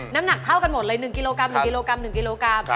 น้ำหนักเท่ากันหมดเลย๑กิโลกรัม๑กิโลกรัม๑กิโลกรัม